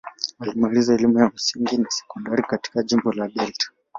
Alimaliza elimu ya msingi na sekondari katika jimbo la Delta.